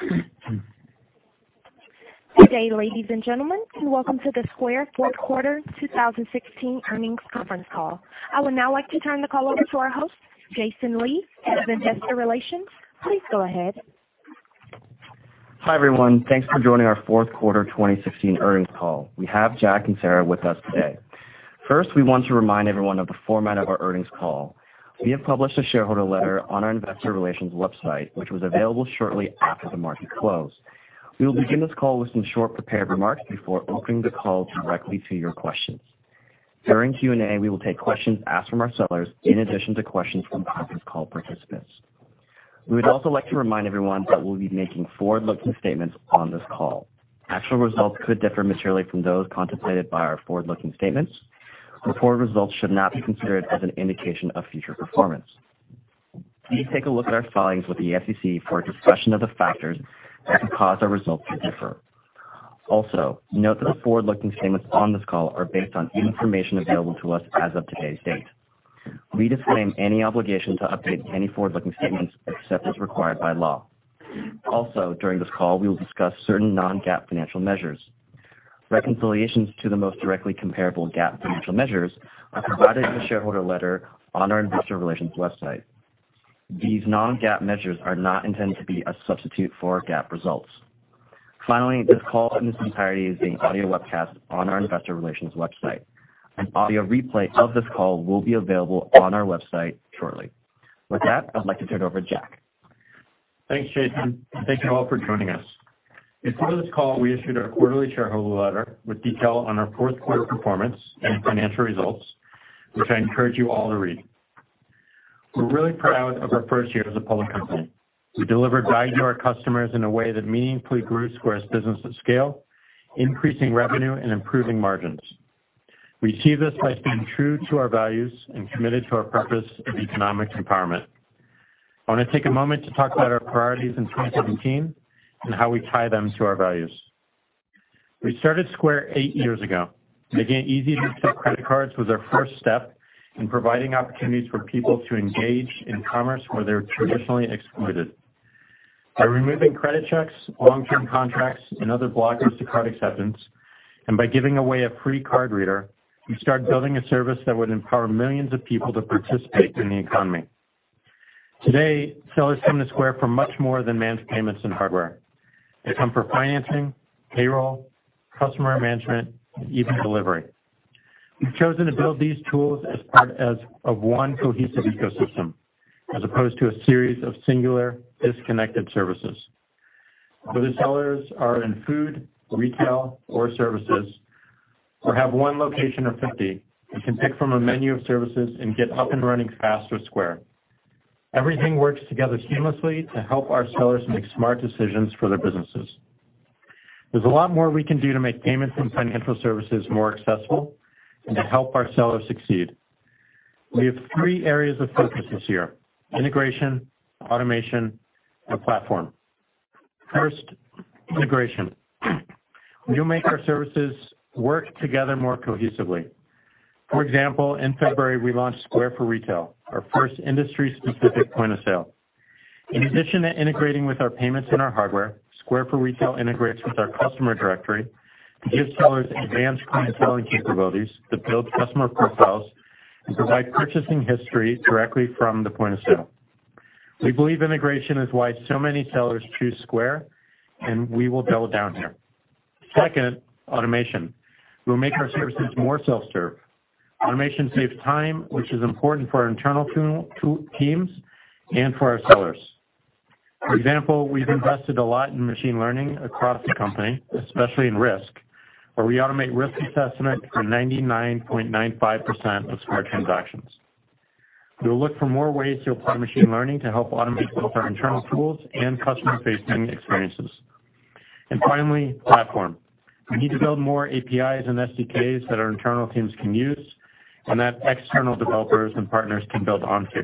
Good day, ladies and gentlemen, and welcome to the Square Fourth Quarter 2016 Earnings Conference Call. I would now like to turn the call over to our host, Jason Lee, Head of Investor Relations. Please go ahead. Hi, everyone. Thanks for joining our fourth quarter 2016 earnings call. We have Jack and Sarah with us today. First, we want to remind everyone of the format of our earnings call. We have published a shareholder letter on our investor relations website, which was available shortly after the market closed. We will begin this call with some short prepared remarks before opening the call directly to your questions. During Q&A, we will take questions asked from our sellers in addition to questions from conference call participants. We would also like to remind everyone that we'll be making forward-looking statements on this call. Actual results could differ materially from those contemplated by our forward-looking statements, and forward results should not be considered as an indication of future performance. Please take a look at our filings with the SEC for a discussion of the factors that could cause our results to differ. Note that the forward-looking statements on this call are based on information available to us as of today's date. We disclaim any obligation to update any forward-looking statements except as required by law. During this call, we will discuss certain non-GAAP financial measures. Reconciliations to the most directly comparable GAAP financial measures are provided in the shareholder letter on our investor relations website. These non-GAAP measures are not intended to be a substitute for our GAAP results. This call in its entirety is being audio webcast on our investor relations website. An audio replay of this call will be available on our website shortly. With that, I'd like to turn it over to Jack. Thanks, Jason. Thank you all for joining us. Before this call, we issued our quarterly shareholder letter with detail on our fourth quarter performance and financial results, which I encourage you all to read. We're really proud of our first year as a public company. We delivered value to our customers in a way that meaningfully grew Square's business at scale, increasing revenue and improving margins. We achieved this by staying true to our values and committed to our purpose of economic empowerment. I want to take a moment to talk about our priorities in 2017 and how we tie them to our values. We started Square eight years ago. Making it easy to accept credit cards was our first step in providing opportunities for people to engage in commerce where they were traditionally excluded. By removing credit checks, long-term contracts, and other blockers to card acceptance, and by giving away a free card reader, we started building a service that would empower millions of people to participate in the economy. Today, sellers come to Square for much more than managed payments and hardware. They come for financing, payroll, customer management, and even delivery. We've chosen to build these tools as part of one cohesive ecosystem, as opposed to a series of singular, disconnected services. Whether sellers are in food, retail, or services, or have one location or 50, they can pick from a menu of services and get up and running fast with Square. Everything works together seamlessly to help our sellers make smart decisions for their businesses. There's a lot more we can do to make payments and financial services more accessible and to help our sellers succeed. We have three areas of focus this year: integration, automation, and platform. First, integration. We will make our services work together more cohesively. For example, in February, we launched Square for Retail, our first industry-specific point-of-sale. In addition to integrating with our payments and our hardware, Square for Retail integrates with our Customer Directory to give sellers advanced clienteling capabilities that build customer profiles and provide purchasing history directly from the point-of-sale. We believe integration is why so many sellers choose Square, and we will build on there. Second, automation. We'll make our services more self-serve. Automation saves time, which is important for our internal teams and for our sellers. For example, we've invested a lot in machine learning across the company, especially in risk, where we automate risk assessment for 99.95% of Square transactions. We will look for more ways to apply machine learning to help automate both our internal tools and customer-facing experiences. Finally, platform. We need to build more APIs and SDKs that our internal teams can use and that external developers and partners can build onto.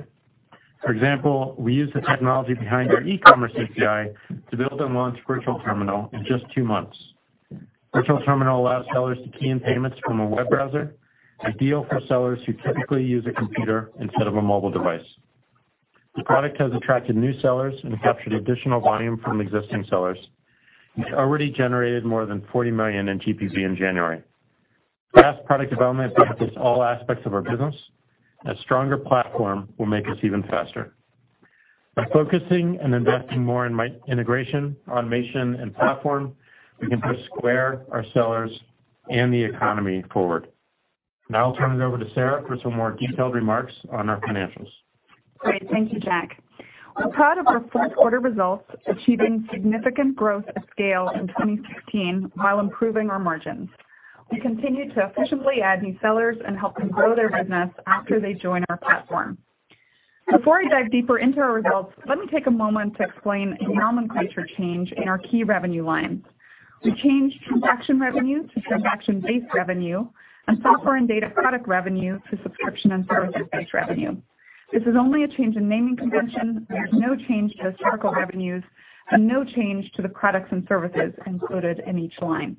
For example, we used the technology behind our E-commerce API to build and launch Virtual Terminal in just two months. Virtual Terminal allows sellers to key in payments from a web browser, ideal for sellers who typically use a computer instead of a mobile device. The product has attracted new sellers and captured additional volume from existing sellers, and it already generated more than $40 million in TPV in January. Fast product development benefits all aspects of our business. A stronger platform will make us even faster. By focusing and investing more in integration, automation, and platform, we can push Square, our sellers, and the economy forward. Now I'll turn it over to Sarah for some more detailed remarks on our financials. Great. Thank you, Jack. We're proud of our fourth quarter results, achieving significant growth at scale in 2016 while improving our margins. We continued to efficiently add new sellers and help them grow their business after they join our platform. Before I dive deeper into our results, let me take a moment to explain a nomenclature change in our key revenue lines. We changed transaction revenue to transaction-based revenue and software and data product revenue to subscription and services-based revenue. This is only a change in naming convention. There's no change to historical revenues and no change to the products and services included in each line.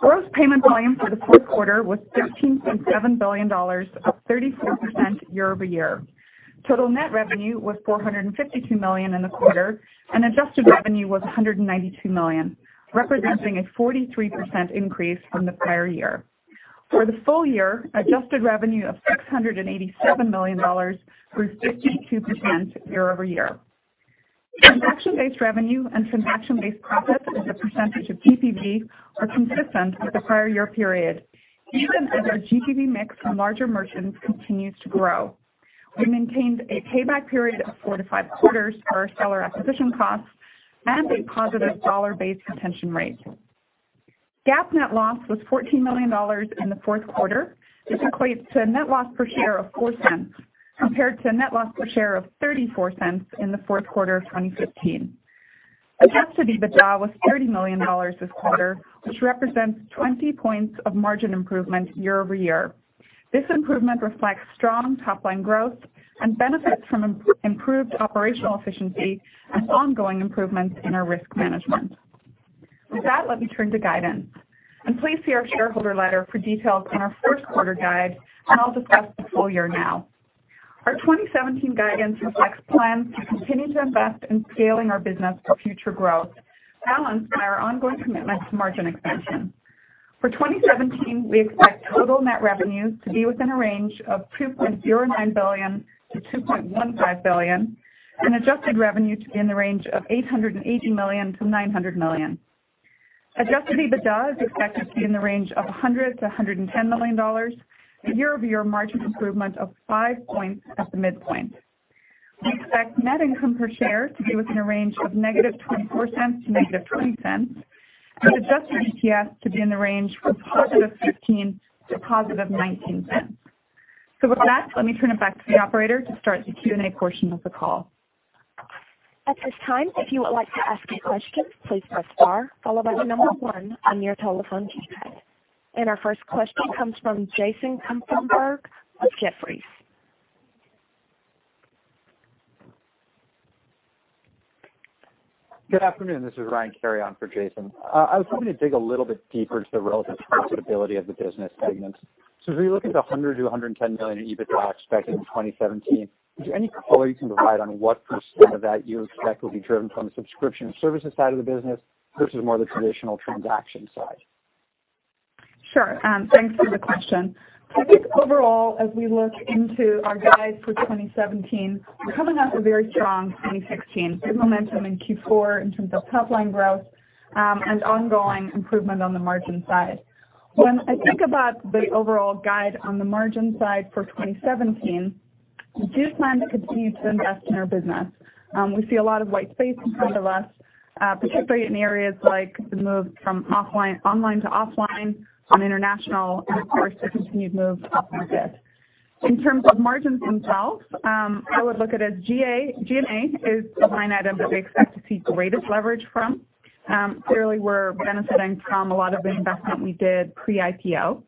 Gross payment volume for the fourth quarter was $13.7 billion, up 34% year-over-year. Total net revenue was $452 million in the quarter, and adjusted revenue was $192 million, representing a 43% increase from the prior year. For the full year, adjusted revenue of $687 million grew 52% year-over-year. Transaction-based revenue and transaction-based profit as a percentage of GPV are consistent with the prior year period, even as our GPV mix from larger merchants continues to grow. We maintained a payback period of four to five quarters for our seller acquisition costs and a positive dollar-based retention rate. GAAP net loss was $14 million in the fourth quarter, which equates to a net loss per share of $0.04, compared to a net loss per share of $0.34 in the fourth quarter of 2015. Adjusted EBITDA was $30 million this quarter, which represents 20 points of margin improvement year-over-year. This improvement reflects strong top-line growth and benefits from improved operational efficiency and ongoing improvements in our risk management. With that, let me turn to guidance. Please see our shareholder letter for details on our fourth quarter guide, and I'll discuss the full year now. Our 2017 guidance reflects plans to continue to invest in scaling our business for future growth, balanced by our ongoing commitment to margin expansion. For 2017, we expect total net revenues to be within a range of $2.09 billion to $2.15 billion and adjusted revenue to be in the range of $880 million to $900 million. Adjusted EBITDA is expected to be in the range of $100 million to $110 million, a year-over-year margin improvement of five points at the midpoint. We expect net income per share to be within a range of negative $0.24 to negative $0.20, and adjusted EPS to be in the range from positive $0.15 to positive $0.19. With that, let me turn it back to the operator to start the Q&A portion of the call. At this time, if you would like to ask a question, please press star followed by the number 1 on your telephone keypad. Our first question comes from Jason Kupferberg of Jefferies. Good afternoon. This is Ryan Cary on for Jason. I was hoping to dig a little bit deeper into the relative profitability of the business segments. As we look at the $100 to $110 million in EBITDA expected in 2017, is there any color you can provide on what % of that you expect will be driven from the subscription services side of the business versus more the traditional transaction side? Sure. Thanks for the question. I think overall, as we look into our guides for 2017, we're coming off a very strong 2016. Good momentum in Q4 in terms of top-line growth and ongoing improvement on the margin side. When I think about the overall guide on the margin side for 2017, we do plan to continue to invest in our business. We see a lot of white space in front of us, particularly in areas like the move from online to offline on international and of course, the continued move to market. In terms of margins themselves, I would look at it as G&A is the line item that we expect to see the greatest leverage from. Clearly, we're benefiting from a lot of the investment we did pre-IPO.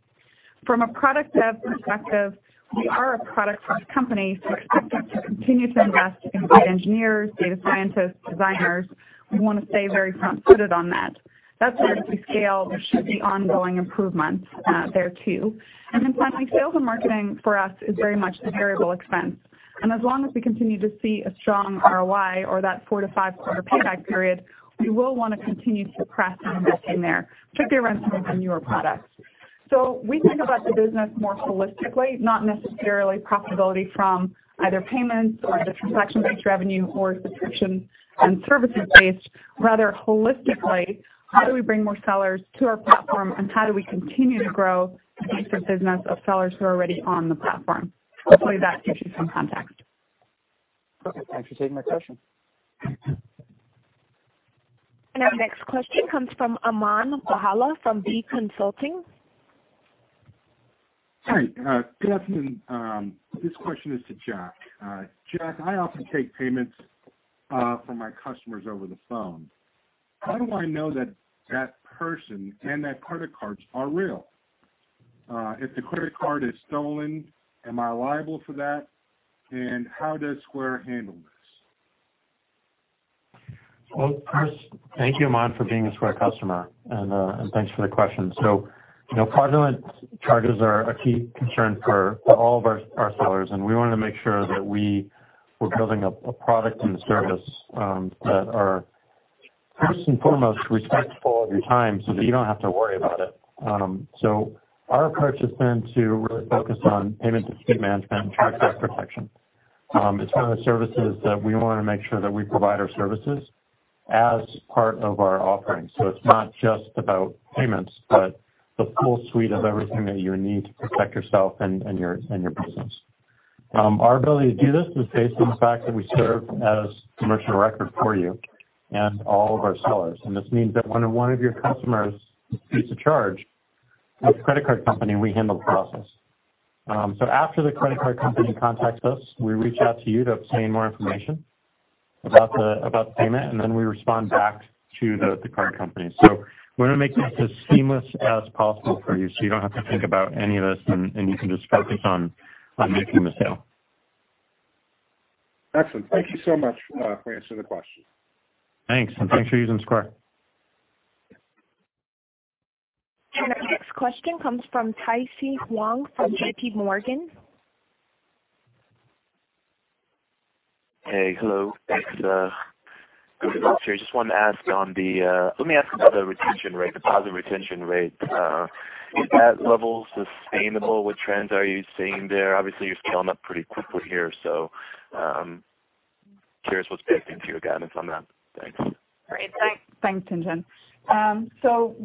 From a product dev perspective, we are a product-first company, expect us to continue to invest in good engineers, data scientists, designers. We want to stay very front-footed on that. That's where, as we scale, there should be ongoing improvements there too. Finally, sales and marketing for us is very much a variable expense. As long as we continue to see a strong ROI or that four to five quarter payback period, we will want to continue to press and invest in there, particularly around some of the newer products. We think about the business more holistically, not necessarily profitability from either payments or the transaction-based revenue or subscription and services-based, rather holistically, how do we bring more sellers to our platform and how do we continue to grow the existing business of sellers who are already on the platform. Hopefully, that gives you some context. Okay. Thanks for taking my question. Our next question comes from Aman Kohala from B Consulting. Hi, good afternoon. This question is to Jack. Jack, I often take payments from our customers over the phone. How do I know that that person and that credit cards are real? If the credit card is stolen, am I liable for that? How does Square handle this? Well, first, thank you, Aman, for being a Square customer, and thanks for the question. Fraudulent charges are a key concern for all of our sellers, and we want to make sure that we're building up a product and a service that are first and foremost respectful of your time so that you don't have to worry about it. Our approach has been to really focus on payment and risk management and chargeback protection. It's one of the services that we want to make sure that we provide our services as part of our offering. It's not just about payments, but the full suite of everything that you need to protect yourself and your business. Our ability to do this is based on the fact that we serve as commercial record for you and all of our sellers. This means that when one of your customers disputes a charge with the credit card company, we handle the process. After the credit card company contacts us, we reach out to you to obtain more information about the payment, we respond back to the card company. We want to make this as seamless as possible for you so you don't have to think about any of this, and you can just focus on making the sale. Excellent. Thank you so much for answering the question. Thanks, thanks for using Square. Our next question comes from Tien-Tsin Huang from J.P. Morgan. Hey. Hello. Thanks. I just wanted to ask, let me ask about the retention rate, deposit retention rate. Is that level sustainable? What trends are you seeing there? Obviously, you're scaling up pretty quickly here, so I'm curious what's baked into your guidance on that. Thanks. Great. Thanks, Tien-Tsin.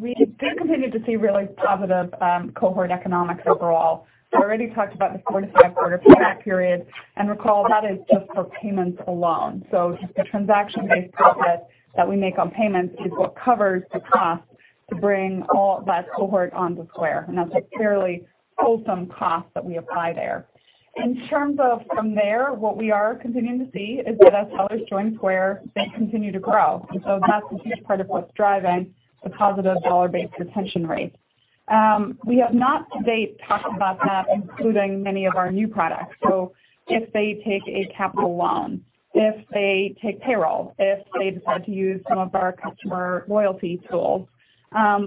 We do continue to see really positive cohort economics overall. We already talked about the four to five quarter payback period, and recall that is just for payments alone. Just the transaction-based profit that we make on payments is what covers the cost to bring all that cohort onto Square, and that's a fairly wholesome cost that we apply there. In terms of from there, what we are continuing to see is that as sellers join Square, they continue to grow. That's a huge part of what's driving the positive dollar-based retention rate. We have not to date talked about that including many of our new products. If they take a capital loan, if they take payroll, if they decide to use some of our customer loyalty tools,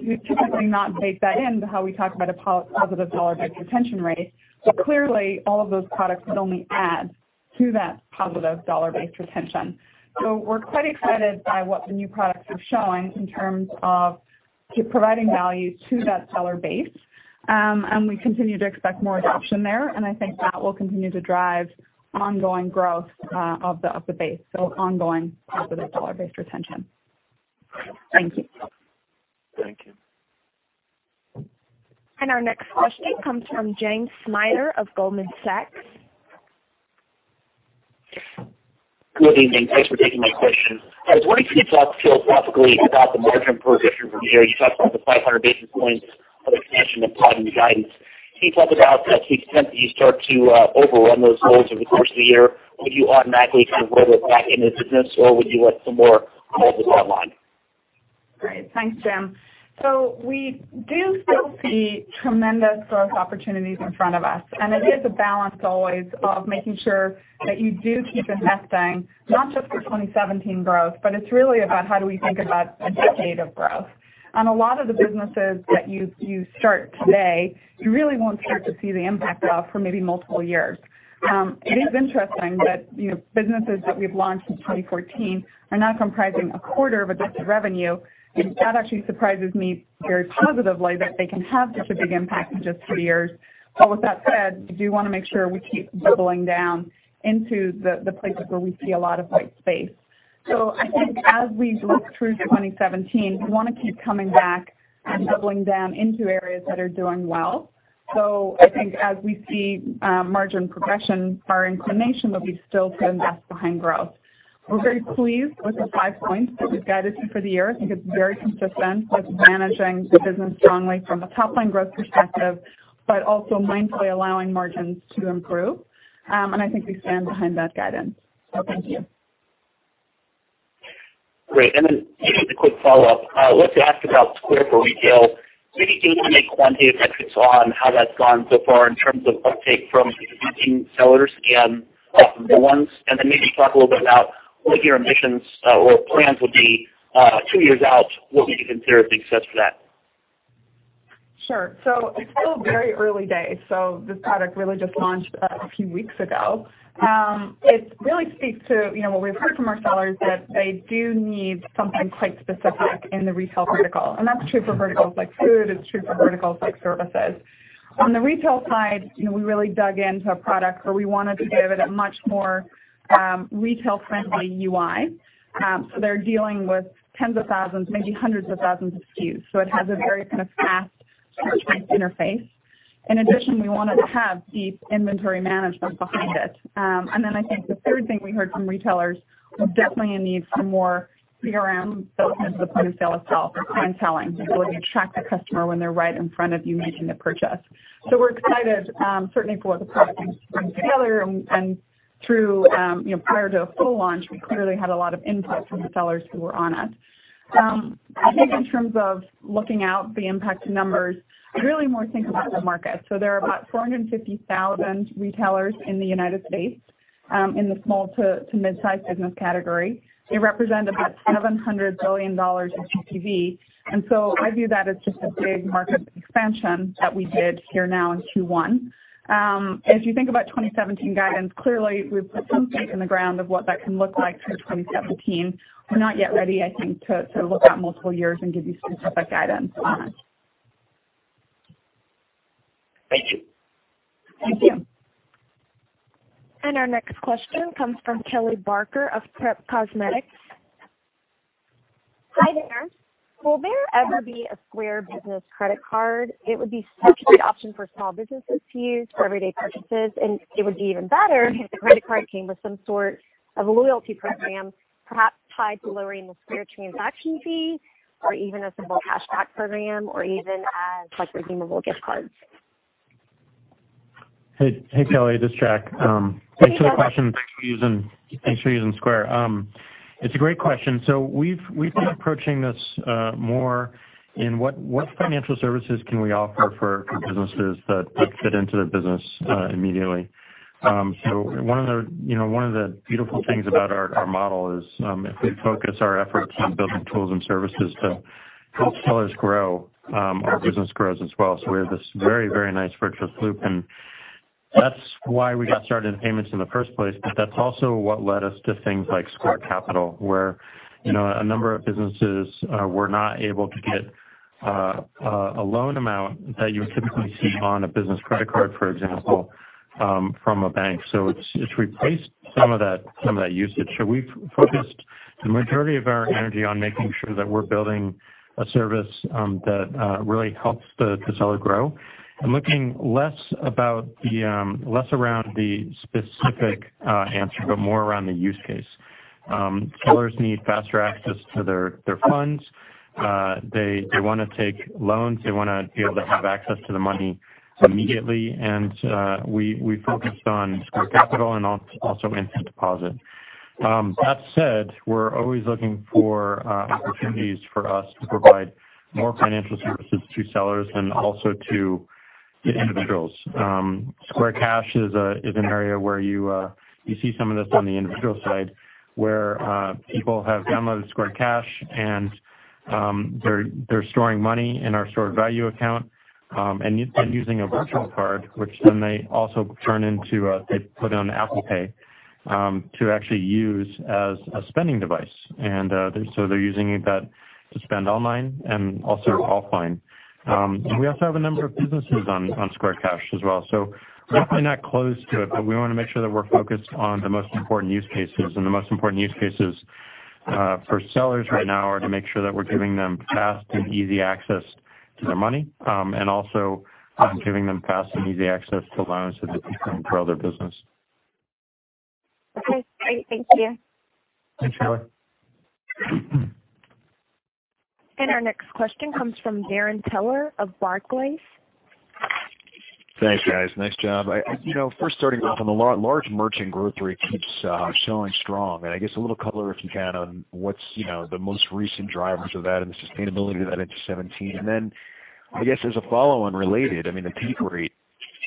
we've typically not baked that into how we talk about a positive dollar-based retention rate. Clearly all of those products would only add to that positive dollar-based retention. We're quite excited by what the new products are showing in terms of providing value to that seller base. We continue to expect more adoption there, and I think that will continue to drive ongoing growth of the base, so ongoing positive dollar-based retention. Thank you. Thank you. Our next question comes from James Schneider of Goldman Sachs. Good evening. Thanks for taking my question. I was wondering if you could talk philosophically about the margin progression from here. You talked about the 500 basis points of expansion implied in the guidance. Can you talk about to what extent do you start to overrun those goals over the course of the year? Would you automatically kind of roll it back into the business, or would you want some more of this online? Great. Thanks, Jim. We do still see tremendous growth opportunities in front of us, and it is a balance always of making sure that you do keep investing, not just for 2017 growth, but it's really about how do we think about a decade of growth. On a lot of the businesses that you start today, you really won't start to see the impact of for maybe multiple years. It is interesting that businesses that we've launched in 2014 are now comprising a quarter of adjusted revenue, and that actually surprises me very positively that they can have such a big impact in just three years. With that said, we do want to make sure we keep doubling down into the places where we see a lot of white space. I think as we look through to 2017, we want to keep coming back and doubling down into areas that are doing well. I think as we see margin progression, our inclination will be still to invest behind growth. We're very pleased with the five points that we've guided you for the year. I think it's very consistent with managing the business strongly from a top-line growth perspective, but also mindfully allowing margins to improve. I think we stand behind that guidance. Thank you. Great. Maybe just a quick follow-up. I wanted to ask about Square for Retail. Can you give me quantitative metrics on how that's gone so far in terms of uptake from existing sellers and new ones? Talk a little bit about what your ambitions or plans will be two years out, what would you consider a big success for that? Sure. It's still very early days. This product really just launched a few weeks ago. It really speaks to what we've heard from our sellers, that they do need something quite specific in the retail vertical. That's true for verticals like food, it's true for verticals like services. On the retail side, we really dug into a product where we wanted to give it a much more retail-friendly UI. They're dealing with tens of thousands, maybe hundreds of thousands of SKUs. It has a very kind of fast search interface. In addition, we wanted to have deep inventory management behind it. I think the third thing we heard from retailers was definitely a need for more CRM built into the point-of-sale itself, or clienteling, the ability to track the customer when they're right in front of you making a purchase. We're excited, certainly for the product coming together and prior to a full launch, we clearly had a lot of input from the sellers who were on it. I think in terms of looking out the impact to numbers, really more think about the market. There are about 450,000 retailers in the U.S. in the small to mid-size business category. They represent about $700 billion of TPV. I view that as just a big market expansion that we did here now in Q1. As you think about 2017 guidance, clearly we've put some stake in the ground of what that can look like through 2017. We're not yet ready, I think, to look out multiple years and give you specific guidance on it. Thank you. Thank you. Our next question comes from Kelly Barker of PREP Cosmetics. Hi there. Will there ever be a Square Business credit card? It would be such a good option for small businesses to use for everyday purchases, and it would be even better if the credit card came with some sort of a loyalty program, perhaps tied to lowering the Square transaction fee or even a simple cashback program, or even as like redeemable gift cards. Hey, Kelly, this is Jack. Hey, Jack. Thanks for the question. Thanks for using Square. It's a great question. We've been approaching this more in what financial services can we offer for businesses that fit into the business immediately? One of the beautiful things about our model is, if we focus our efforts on building tools and services to help sellers grow, our business grows as well. We have this very nice virtuous loop, and that's why we got started in payments in the first place. That's also what led us to things like Square Capital, where a number of businesses were not able to get a loan amount that you would typically see on a business credit card, for example, from a bank. It's replaced some of that usage. We've focused the majority of our energy on making sure that we're building a service that really helps the seller grow and looking less around the specific answer, but more around the use case. Sellers need faster access to their funds. They want to take loans. They want to be able to have access to the money immediately. We focused on Square Capital and also Instant Deposit. That said, we're always looking for opportunities for us to provide more financial services to sellers and also to individuals. Square Cash is an area where you see some of this on the individual side, where people have downloaded Square Cash and they're storing money in our stored value account and using a virtual card, which then they also put on Apple Pay, to actually use as a spending device. They're using that to spend online and also offline. We also have a number of businesses on Square Cash as well. We're definitely not closed to it, but we want to make sure that we're focused on the most important use cases. The most important use cases for sellers right now are to make sure that we're giving them fast and easy access to their money, and also giving them fast and easy access to loans that they can grow their business. Okay, great. Thank you. Thanks, Kelly. Our next question comes from Darrin Peller of Barclays. Thanks, guys. Nice job. First starting off on the large merchant growth rate keeps showing strong, and I guess a little color, if you can, on what's the most recent drivers of that and the sustainability of that into 2017. I guess as a follow-on related, I mean, the peak rate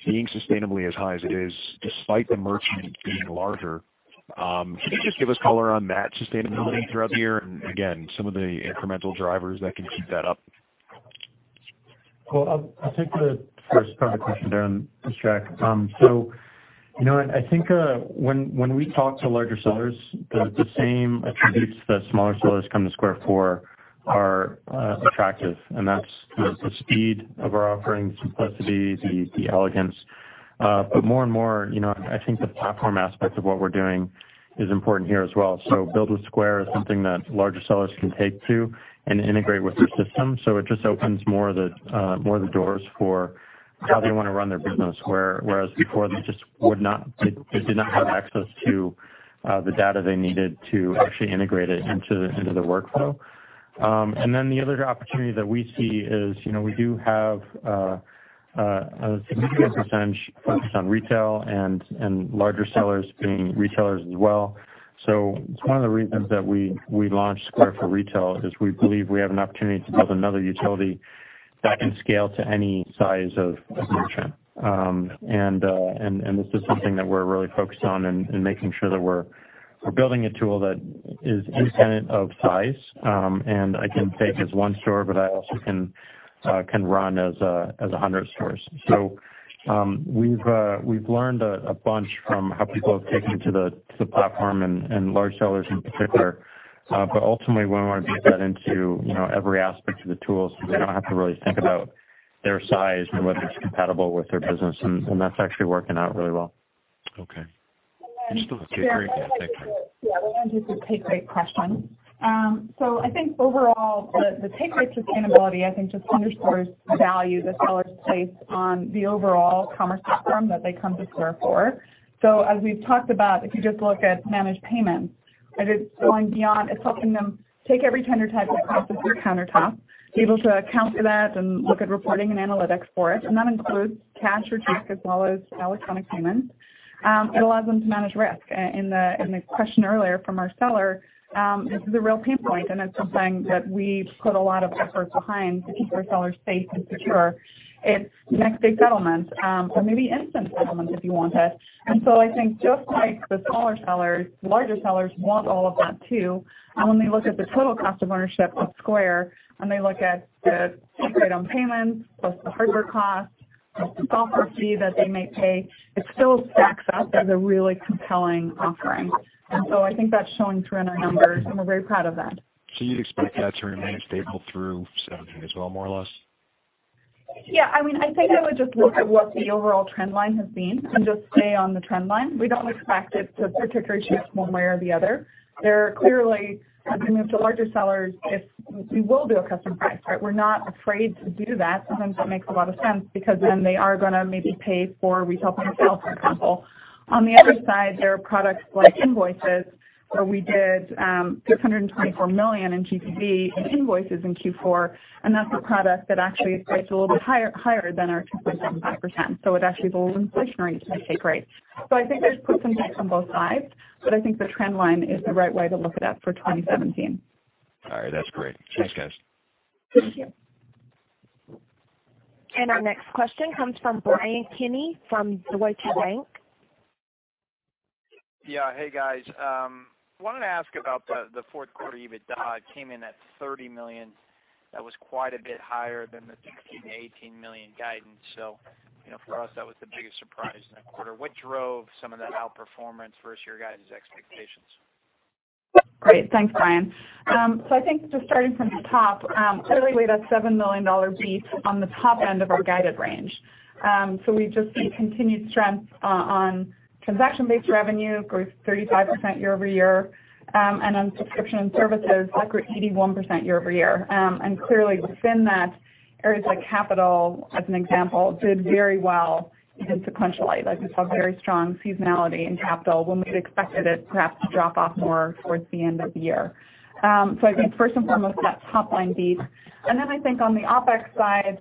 being sustainably as high as it is, despite the merchant being larger, can you just give us color on that sustainability throughout the year? Again, some of the incremental drivers that can keep that up. I'll take the first part of the question, Darrin. Thanks, Jack. I think when we talk to larger sellers, the same attributes that smaller sellers come to Square for are attractive, and that's the speed of our offering, the simplicity, the elegance. More and more, I think the platform aspect of what we're doing is important here as well. Build with Square is something that larger sellers can take to and integrate with their system. It just opens more of the doors for how they want to run their business, whereas before, they did not have access to the data they needed to actually integrate it into their workflow. The other opportunity that we see is we do have a significant percentage focused on retail and larger sellers being retailers as well. It's one of the reasons that we launched Square for Retail, is we believe we have an opportunity to build another utility that can scale to any size of merchant. This is something that we're really focused on and making sure that we're building a tool that is independent of size, and I can take as 1 store, but I also can run as 100 stores. We've learned a bunch from how people have taken to the platform and large sellers in particular. Ultimately we want to bake that into every aspect of the tool so they don't have to really think about their size or whether it's compatible with their business, and that's actually working out really well. Okay. I just wanted to get clarity. Thanks. I wanted to do the take rate question. I think overall the take rate sustainability, I think, just underscores the value that sellers place on the overall commerce platform that they come to Square for. As we've talked about, if you just look at managed payments, it is going beyond, it's helping them take every tender type they process through countertop, be able to account for that and look at reporting and analytics for it, and that includes cash or check as well as electronic payments. It allows them to manage risk. In the question earlier from our seller, this is a real pain point, and it's something that we've put a lot of effort behind to keep our sellers safe and secure. It's next day settlement, maybe instant settlement if you wanted. I think just like the smaller sellers, larger sellers want all of that too. When they look at the total cost of ownership of Square, and they look at the take rate on payments, plus the hardware cost, plus the software fee that they may pay, it still stacks up as a really compelling offering. I think that's showing through in our numbers, and we are very proud of that. You'd expect that to remain stable through 2017 as well, more or less? Yeah, I think I would just look at what the overall trend line has been and just stay on the trend line. We don't expect it to particularly shift one way or the other. There are clearly, as we move to larger sellers, we will do a custom price, right? We're not afraid to do that. Sometimes that makes a lot of sense because then they are going to maybe pay for retail point-of-sale, for example. On the other side, there are products like Square Invoices where we did $624 million in TPV in Square Invoices in Q4, and that's a product that actually is priced a little bit higher than our 2.75%. It actually is a little inflationary to the take rate. I think there's push and pull from both sides, but I think the trend line is the right way to look at that for 2017. All right, that's great. Thanks, guys. Thank you. Our next question comes from Bryan Keane from Deutsche Bank. Hey, guys. Wanted to ask about the fourth quarter EBITDA. It came in at $30 million. That was quite a bit higher than the $16 million-$18 million guidance. For us, that was the biggest surprise in the quarter. What drove some of that outperformance versus your guys' expectations? Great. Thanks, Bryan. I think just starting from the top, clearly that's a $7 million beat on the top end of our guided range. We've just seen continued strength on transaction-based revenue, growth 35% year-over-year, and on subscription and services, up 81% year-over-year. Clearly within that, areas like Capital, as an example, did very well even sequentially. Like we saw very strong seasonality in Capital when we'd expected it perhaps to drop off more towards the end of the year. I think first and foremost, that top line beat. Then I think on the OpEx side,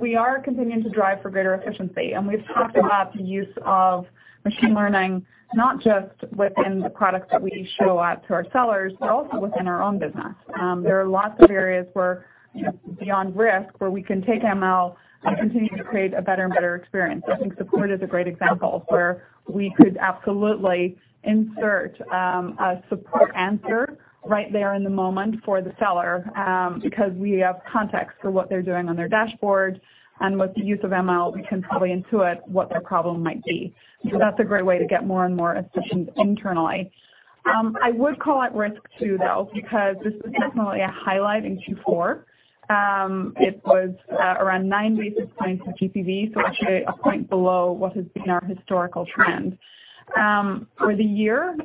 we are continuing to drive for greater efficiency, and we've talked about the use of machine learning, not just within the products that we show out to our sellers, but also within our own business. There are lots of areas where, beyond risk, where we can take ML and continue to create a better and better experience. I think support is a great example where we could absolutely insert a support answer right there in the moment for the seller, because we have context for what they're doing on their dashboard, and with the use of ML, we can probably intuit what their problem might be. That's a great way to get more and more efficient internally. I would call out risk too, though, because this was definitely a highlight in Q4. It was around nine basis points of GPV, so actually a point below what has been our historical trend. For the year,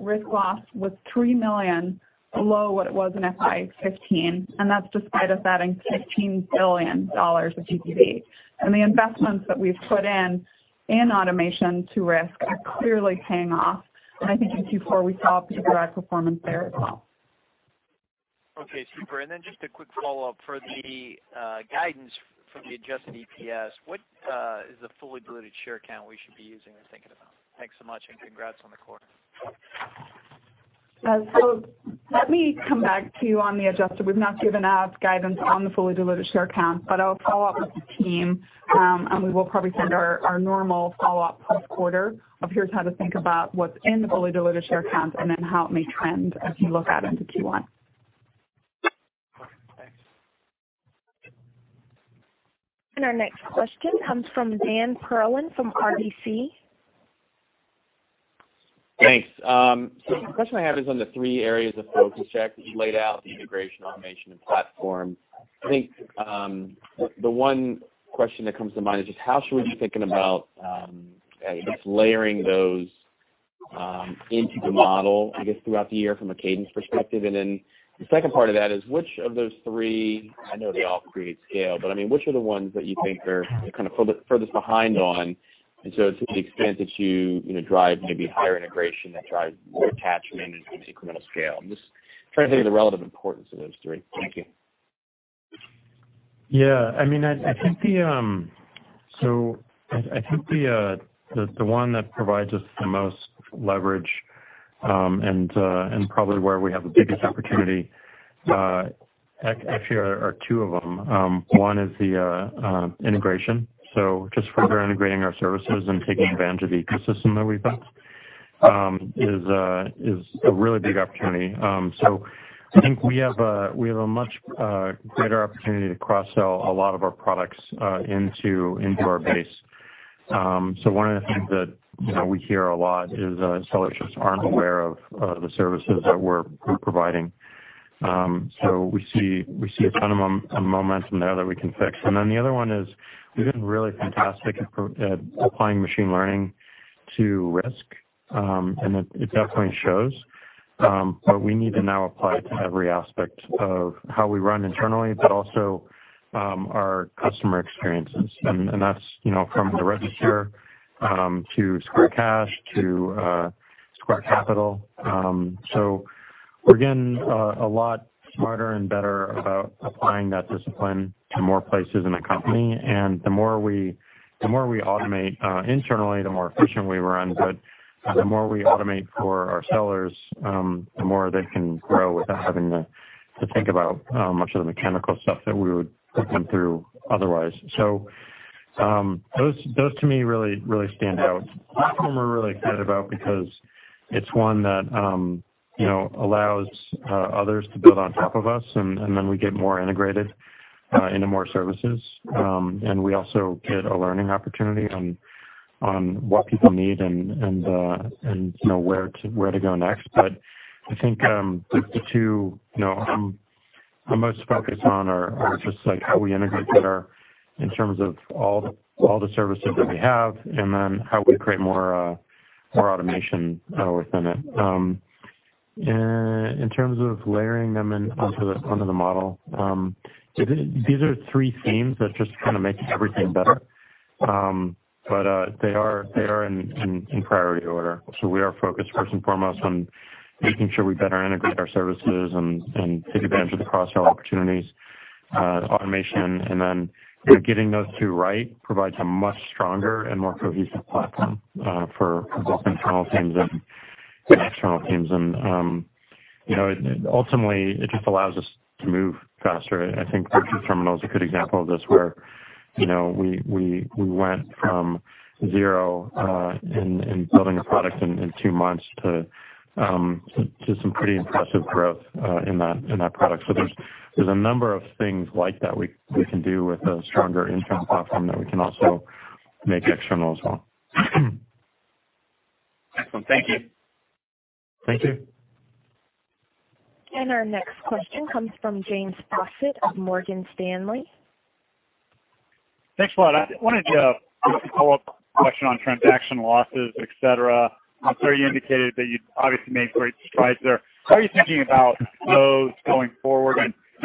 risk loss was $3 million below what it was in FY 2015, and that's despite us adding $15 billion of GPV. The investments that we've put in automation to risk are clearly paying off. I think in Q4, we saw pretty broad performance there as well. Okay, super. Just a quick follow-up. For the guidance for the adjusted EPS, what is the fully diluted share count we should be using or thinking about? Thanks so much and congrats on the quarter. Let me come back to you on the adjusted. We've not given out guidance on the fully diluted share count, but I'll follow up with the team, and we will probably send our normal follow-up post-quarter of here's how to think about what's in the fully diluted share count and then how it may trend as we look out into Q1. Okay, thanks. Our next question comes from Daniel Perlin from RBC. Thanks. The question I have is on the three areas of focus, Jack, that you laid out, the integration, automation, and platform. I think the one question that comes to mind is just how should we be thinking about just layering those into the model, I guess, throughout the year from a cadence perspective? The second part of that is which of those three, I know they all create scale, but I mean, which are the ones that you think are kind of furthest behind on? To the extent that you drive maybe higher integration that drives more attachment and incremental scale. I'm just trying to think of the relative importance of those three. Thank you. Yeah. I think the one that provides us the most leverage, and probably where we have the biggest opportunity, actually are two of them. One is the integration, so just further integrating our services and taking advantage of the ecosystem that we've built is a really big opportunity. I think we have a much greater opportunity to cross-sell a lot of our products into our base. One of the things that we hear a lot is sellers just aren't aware of the services that we're providing. We see a ton of momentum there that we can fix. The other one is we've been really fantastic at applying machine learning to risk, and it definitely shows. We need to now apply it to every aspect of how we run internally, but also our customer experiences. That's from the Register to Square Cash to Square Capital. We're getting a lot smarter and better about applying that discipline to more places in the company. The more we automate internally, the more efficient we run. The more we automate for our sellers, the more they can grow without having to think about much of the mechanical stuff that we would put them through otherwise. Those to me really stand out. Platform we're really excited about because it's one that allows others to build on top of us, then we get more integrated into more services. We also get a learning opportunity on what people need and where to go next. I think the two I'm most focused on are just how we integrate better in terms of all the services that we have, then how we create more automation within it. In terms of layering them onto the model, these are three themes that just kind of make everything better. They are in priority order. We are focused first and foremost on making sure we better integrate our services and take advantage of the cross-sell opportunities, automation, then getting those two right provides a much stronger and more cohesive platform for both internal teams and external teams. Ultimately, it just allows us to move faster. I think Virtual Terminal is a good example of this, where we went from zero in building a product in two months to some pretty impressive growth in that product. There's a number of things like that we can do with a stronger internal platform that we can also make external as well. Excellent. Thank you. Thank you. Our next question comes from James Faucette of Morgan Stanley. Thanks a lot. I wanted to do a follow-up question on transaction losses, et cetera. I'm sure you indicated that you obviously made great strides there. How are you thinking about those going forward?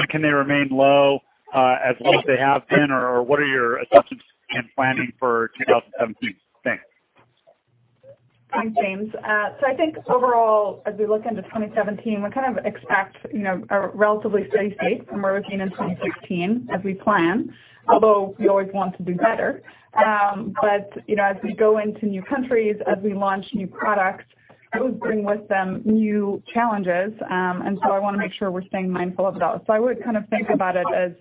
Can they remain low as long as they have been, or what are your assumptions and planning for 2017? Thanks. Thanks, James. I think overall, as we look into 2017, we kind of expect a relatively steady state from where we've been in 2016 as we plan, although we always want to do better. As we go into new countries, as we launch new products, those bring with them new challenges. I want to make sure we're staying mindful of those. I would think about it as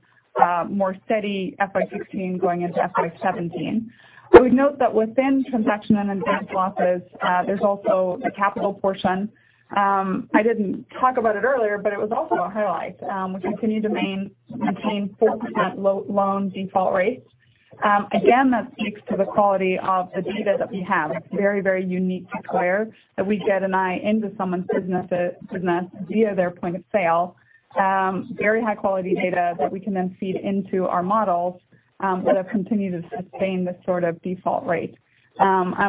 more steady FY 2016 going into FY 2017. I would note that within transaction and advance losses, there's also a capital portion. I didn't talk about it earlier, but it was also a highlight. We continue to maintain 4% loan default rates. Again, that speaks to the quality of the data that we have. It's very unique to Square that we get an eye into someone's business via their point of sale. Very high-quality data that we can then feed into our models that have continued to sustain this sort of default rate.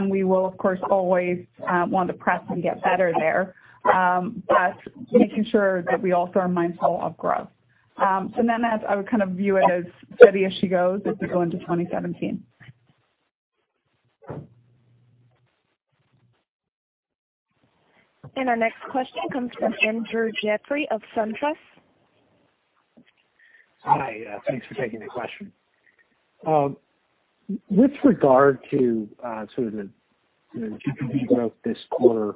We will, of course, always want to press and get better there, but making sure that we also are mindful of growth. I would view it as steady as she goes as we go into 2017. Our next question comes from Andrew Jeffrey of SunTrust. Hi. Thanks for taking the question. With regard to sort of the GPV growth this quarter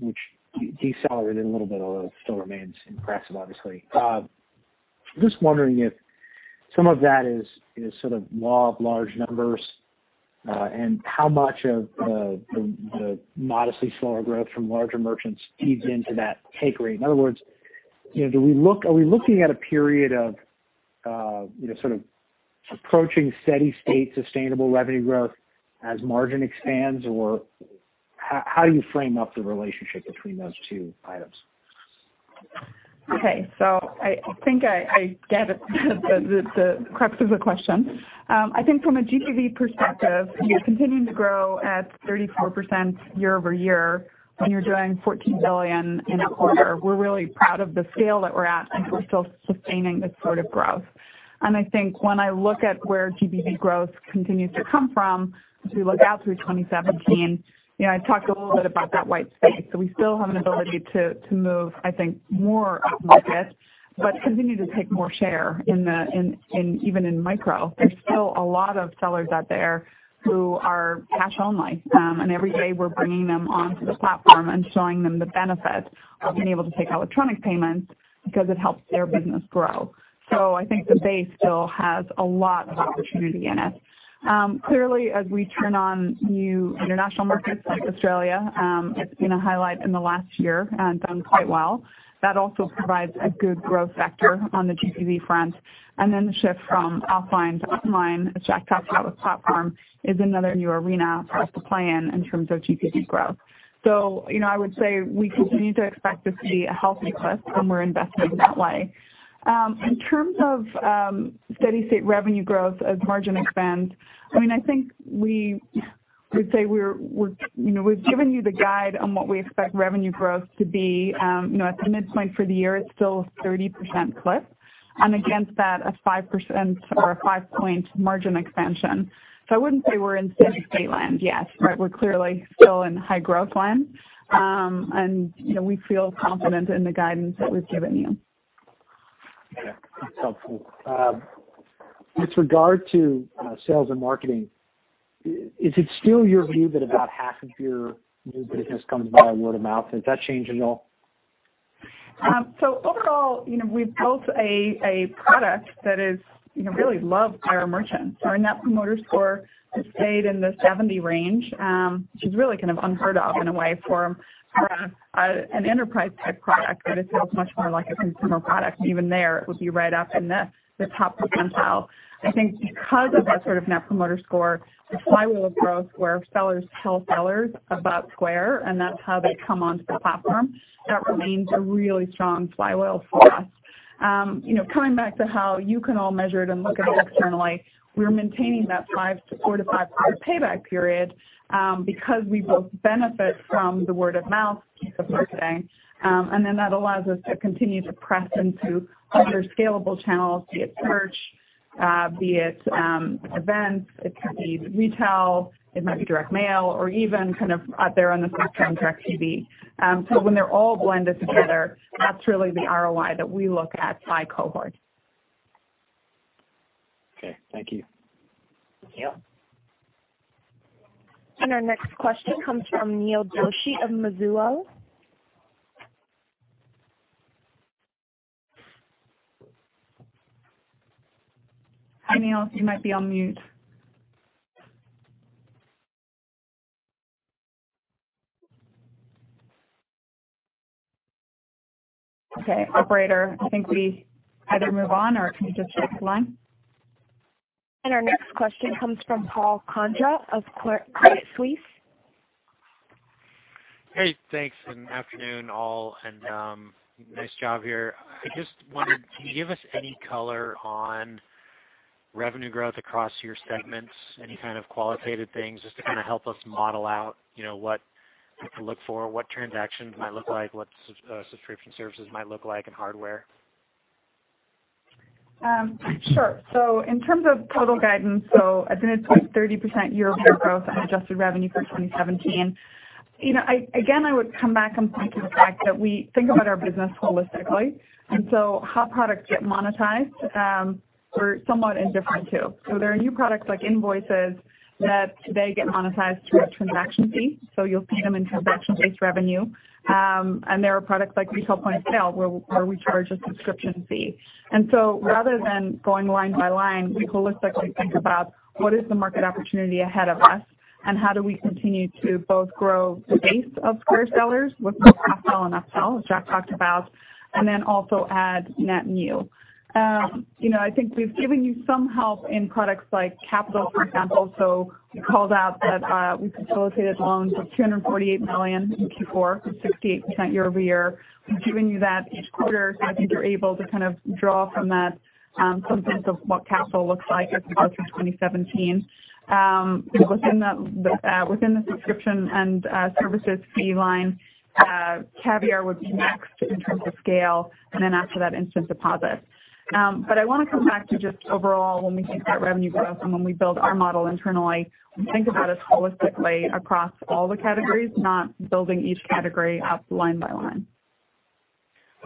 which decelerated a little bit, although it still remains impressive, obviously. Just wondering if some of that is sort of law of large numbers, and how much of the modestly slower growth from larger merchants feeds into that take rate? In other words, are we looking at a period of sort of approaching steady state sustainable revenue growth as margin expands, or how do you frame up the relationship between those two items? Okay. I think I get it, the crux of the question. I think from a GPV perspective, continuing to grow at 34% year-over-year when you're doing $14 billion in a quarter, we're really proud of the scale that we're at, and we're still sustaining this sort of growth. I think when I look at where GPV growth continues to come from, as we look out through 2017, I talked a little bit about that white space. We still have an ability to move, I think, more upmarket, but continue to take more share even in micro. There's still a lot of sellers out there who are cash only. Every day we're bringing them onto the platform and showing them the benefit of being able to take electronic payments because it helps their business grow. I think the base still has a lot of opportunity in it. Clearly, as we turn on new international markets like Australia it's been a highlight in the last year and done quite well. That also provides a good growth vector on the GPV front. The shift from offline to online checkout through our platform is another new arena for us to play in terms of GPV growth. I would say we continue to expect this to be a healthy clip, and we're investing that way. In terms of steady state revenue growth as margin expands, I think we've given you the guide on what we expect revenue growth to be. At the midpoint for the year, it's still 30% clip. Against that, a 5% or a five-point margin expansion. I wouldn't say we're in steady state land yet, but we're clearly still in high growth land. We feel confident in the guidance that we've given you. Okay. That's helpful. With regard to sales and marketing, is it still your view that about half of your new business comes via word of mouth? Has that changed at all? Overall, we've built a product that is really loved by our merchants. Our Net Promoter Score has stayed in the 70 range, which is really kind of unheard of in a way for an enterprise-type product, but it feels much more like a consumer product. Even there, it would be right up in the top quintile. I think because of that sort of Net Promoter Score, the flywheel of growth where sellers tell sellers about Square, and that's how they come onto the platform, that remains a really strong flywheel for us. Coming back to how you can all measure it and look at it externally, we're maintaining that four to five-year payback period because we both benefit from the word of mouth piece of marketing. That allows us to continue to press into other scalable channels, be it search, be it events, it could be retail, it might be direct mail, or even kind of out there on the frontier in direct TV. When they're all blended together, that's really the ROI that we look at by cohort. Okay. Thank you. Thank you. Our next question comes from Neil Doshi of Mizuho. Hi, Neil, you might be on mute. Okay, operator, I think we either move on, or can you just strike the line? Our next question comes from Paul Condra of Credit Suisse. Hey, thanks, afternoon all, nice job here. I just wondered, can you give us any color on revenue growth across your segments, any kind of qualitative things just to kind of help us model out what to look for, what transactions might look like, what subscription services might look like, and hardware? Sure. In terms of total guidance, I think it was 30% year-over-year growth and adjusted revenue for 2017. Again, I would come back and point to the fact that we think about our business holistically. How products get monetized, we're somewhat indifferent to. There are new products like Invoices that today get monetized through a transaction fee. You'll see them in transaction-based revenue. There are products like Square for Retail where we charge a subscription fee. Rather than going line by line, we holistically think about what is the market opportunity ahead of us, and how do we continue to both grow the base of Square sellers with both upsell and cross-sell, as Jack talked about, and then also add net new. I think we've given you some help in products like Capital, for example. We called out that we facilitated loans of $248 million in Q4, 68% year-over-year. We've given you that each quarter, I think you're able to kind of draw from that some sense of what Capital looks like as we go through 2017. Within the subscription and services fee line, Caviar would be next in terms of scale, and then after that Instant Deposit. I want to come back to just overall, when we think about revenue growth and when we build our model internally, we think about it holistically across all the categories, not building each category out line by line.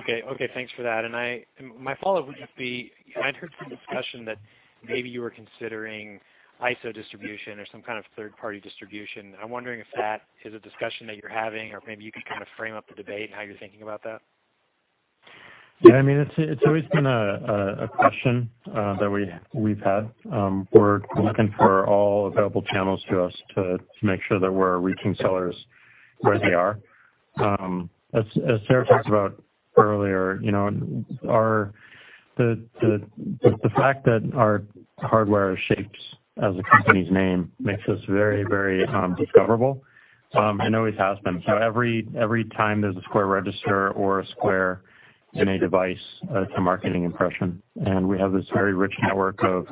Okay. Thanks for that. My follow-up would just be, I'd heard from discussion that maybe you were considering ISO distribution or some kind of third-party distribution. I'm wondering if that is a discussion that you're having, or maybe you could kind of frame up the debate and how you're thinking about that. It's always been a question that we've had. We're looking for all available channels to us to make sure that we're reaching sellers where they are. As Sarah talked about earlier, the fact that our hardware is shaped as a company's name makes us very discoverable and always has been. Every time there's a Square Register or a Square in a device, it's a marketing impression. We have this very rich network of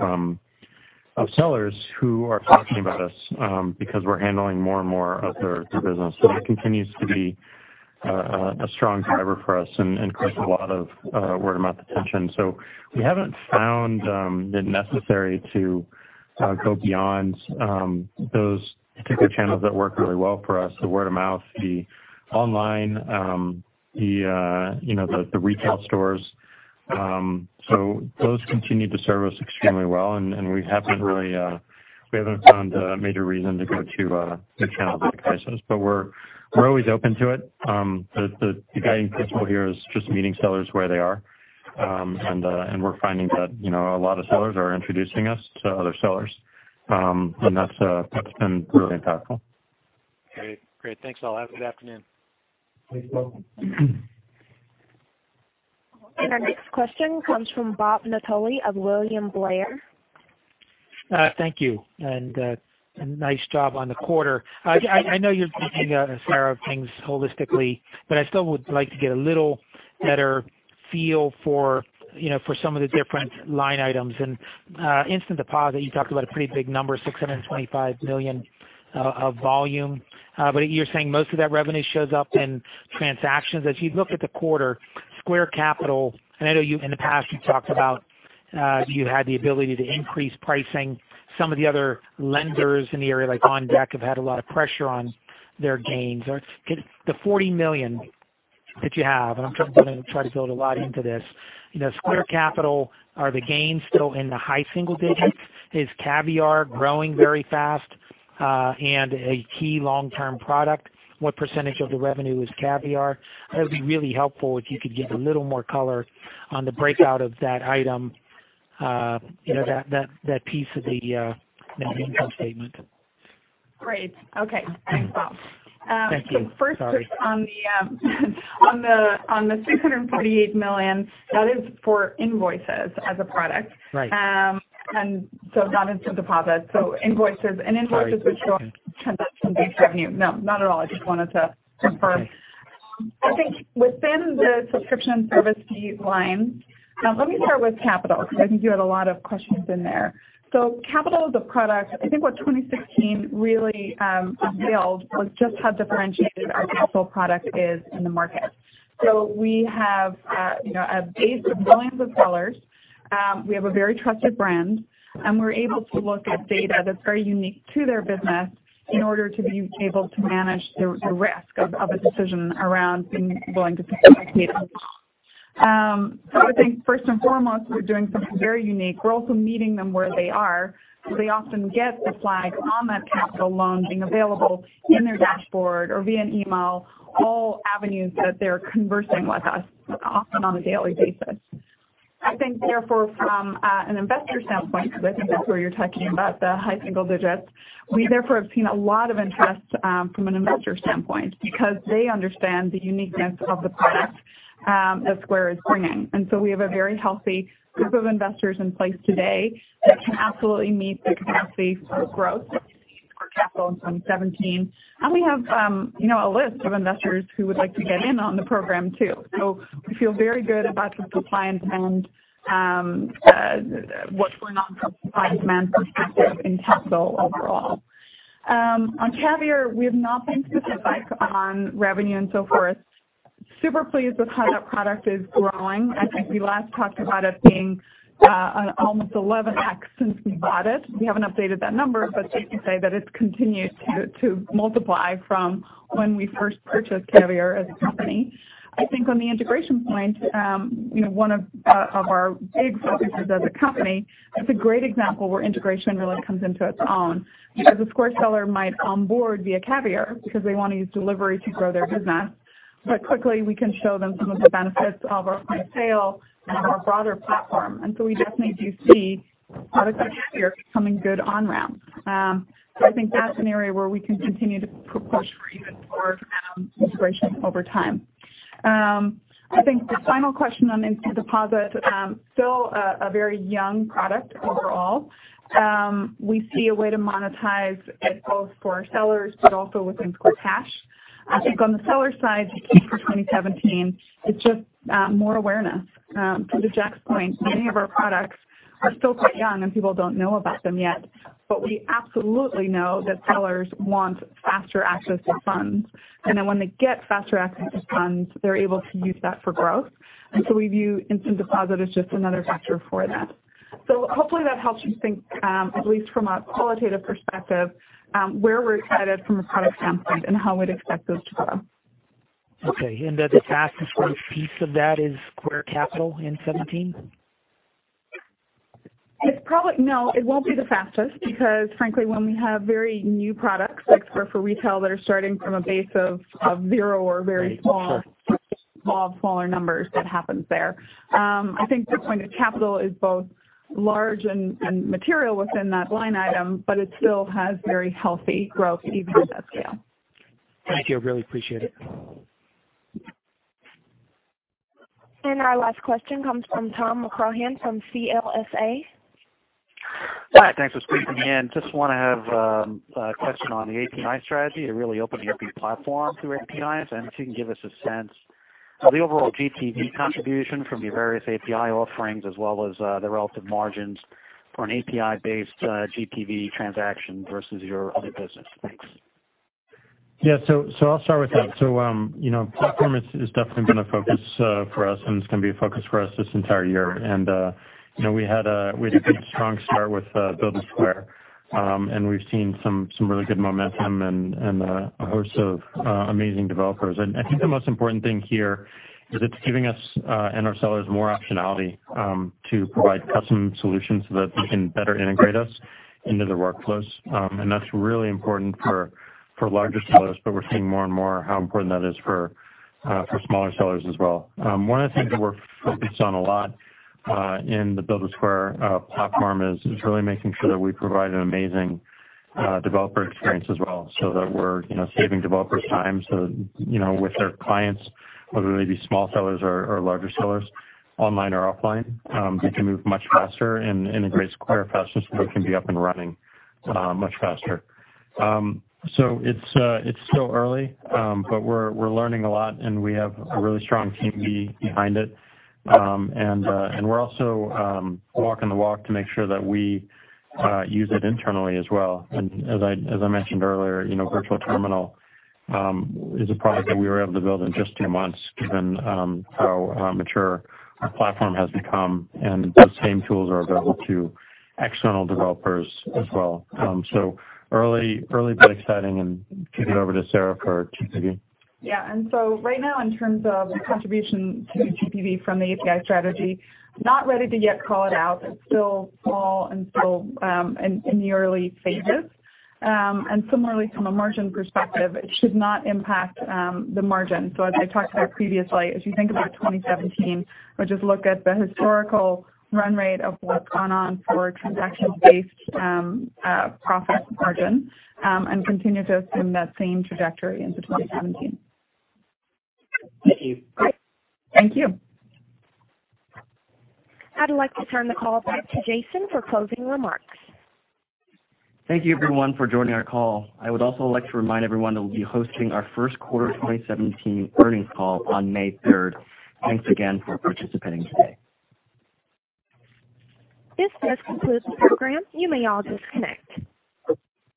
sellers who are talking about us because we're handling more and more of their business. That continues to be a strong driver for us and creates a lot of word-of-mouth attention. We haven't found it necessary to go beyond those particular channels that work really well for us, the word of mouth, the online, the retail stores. Those continue to serve us extremely well, and we haven't found a major reason to go to a new channel like ISOs. We're always open to it. The guiding principle here is just meeting sellers where they are. We're finding that a lot of sellers are introducing us to other sellers. That's been really impactful. Great. Thanks, all. Have a good afternoon. You're welcome. Our next question comes from Bob Napoli of William Blair. Thank you, and nice job on the quarter. I know you're looking at a sea of things holistically, but I still would like to get a little better feel for some of the different line items. Instant Deposit, you talked about a pretty big number, $625 million of volume. You're saying most of that revenue shows up in transactions. As you look at the quarter, Square Capital, and I know in the past you've talked about you had the ability to increase pricing. Some of the other lenders in the area, like OnDeck, have had a lot of pressure on their gains. The $40 million that you have, and I'm going to try to build a lot into this. Square Capital, are the gains still in the high single digits? Is Caviar growing very fast and a key long-term product? What % of the revenue is Caviar? That would be really helpful if you could give a little more color on the breakout of that item, that piece of the income statement. Great. Okay. Thanks, Bob. Thank you. Sorry. First on the $648 million, that is for Invoices as a product. Right. Not Instant Deposit, Invoices. Sorry. Okay. Invoices would show up in transaction-based revenue. No, not at all. I just wanted to confirm. Okay. I think within the subscription service fee line, let me start with Capital because I think you had a lot of questions in there. Capital is a product, I think what 2016 really unveiled was just how differentiated our Capital product is in the market. We have a base of millions of sellers. We have a very trusted brand, and we're able to look at data that's very unique to their business in order to be able to manage the risk of a decision around being willing to put down data. I think first and foremost, we're doing something very unique. We're also meeting them where they are, so they often get the flag on that Capital loan being available in their dashboard or via an email, all avenues that they're conversing with us, often on a daily basis. I think therefore from an investor standpoint, because I think that's where you're talking about the high single digits, we therefore have seen a lot of interest from an investor standpoint because they understand the uniqueness of the product that Square is bringing. We have a very healthy group of investors in place today that can absolutely meet the capacity for growth that we need for capital in 2017. We have a list of investors who would like to get in on the program too. We feel very good about the supply and demand, what's going on from a supply and demand perspective in capital overall. On Caviar, we have not been specific on revenue and so forth. Super pleased with how that product is growing. I think we last talked about it being on almost 11x since we bought it. We haven't updated that number, safely say that it's continued to multiply from when we first purchased Caviar as a company. I think on the integration point, one of our big focuses as a company, it's a great example where integration really comes into its own, because a Square seller might onboard via Caviar because they want to use delivery to grow their business. Quickly we can show them some of the benefits of our point-of-sale and our broader platform. We definitely do see out of Caviar, some good on-ramp. I think that's an area where we can continue to push for even more integration over time. I think the final question on Instant Deposit, still a very young product overall. We see a way to monetize it both for our sellers, also within Cash App. I think on the seller side for 2017, it's just more awareness. To Jack's point, many of our products are still quite young, people don't know about them yet. We absolutely know that sellers want faster access to funds. When they get faster access to funds, they're able to use that for growth. We view Instant Deposit as just another vector for that. Hopefully that helps you think, at least from a qualitative perspective, where we're excited from a product standpoint and how we'd expect those to grow. Okay, the fastest growing piece of that is Square Capital in 2017? No, it won't be the fastest because frankly, when we have very new products like Square for Retail that are starting from a base of zero or very small. Right. Sure. small, smaller numbers, that happens there. I think to your point that Capital is both large and material within that line item, but it still has very healthy growth even at that scale. Thank you. Really appreciate it. Our last question comes from Tom McCrohan from CLSA. Hi, thanks for squeezing me in. Just want to have a question on the API strategy. You're really opening up your platform through APIs, and if you can give us a sense of the overall GPV contribution from your various API offerings, as well as the relative margins for an API-based GPV transaction versus your other business. Thanks. I'll start with that. Platform is definitely going to focus for us, and it's going to be a focus for us this entire year. We had a good strong start with Build with Square, and we've seen some really good momentum and a host of amazing developers. I think the most important thing here is it's giving us and our sellers more optionality to provide custom solutions so that they can better integrate us into their workflows. That's really important for larger sellers, but we're seeing more and more how important that is for smaller sellers as well. One of the things that we're focused on a lot in the Build with Square platform is really making sure that we provide an amazing developer experience as well, so that we're saving developers time, with their clients, whether they be small sellers or larger sellers, online or offline, they can move much faster and integrate Square faster so it can be up and running much faster. It's still early, but we're learning a lot, and we have a really strong team behind it. We're also walking the walk to make sure that we use it internally as well. As I mentioned earlier, Virtual Terminal is a product that we were able to build in just two months given how mature our platform has become, and those same tools are available to external developers as well. Early, but exciting. Kick it over to Sarah for GPV. Right now in terms of contribution to GPV from the API strategy, not ready to yet call it out. It's still small and still in the early phases. Similarly, from a margin perspective, it should not impact the margin. As I talked about previously, if you think about 2017, we'll just look at the historical run rate of what's gone on for transaction-based profit margin, and continue to assume that same trajectory into 2017. Thank you. Great. Thank you. I'd like to turn the call back to Jason for closing remarks. Thank you everyone for joining our call. I would also like to remind everyone that we'll be hosting our first quarter 2017 earnings call on May 3rd. Thanks again for participating today. This does conclude the program. You may all disconnect.